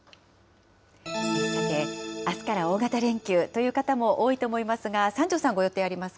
さて、あすから、大型連休という方も多いと思いますが、三條さん、ご予定あります